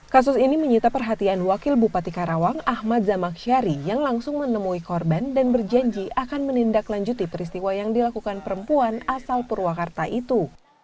kasus ini menyita perhatian wakil bupati karawang ahmad zamaksyari yang langsung menemui korban dan berjanji akan menindaklanjuti peristiwa yang dilakukan perempuan asal purwakarta itu